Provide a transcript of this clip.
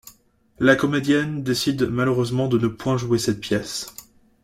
La comédienne décide malheureusement de ne point jouer cette pièce.